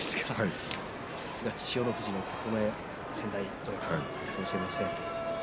さすが千代の富士の九重先代かもしれません。